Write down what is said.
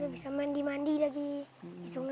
bisa mandi mandi lagi di sungai